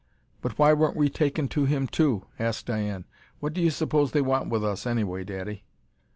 "But why weren't we taken to him too?" asked Diane. "What do you suppose they want with us, anyway, daddy?"